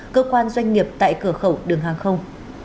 cơ quan doanh nghiệp tại cửa khẩu đường hàng không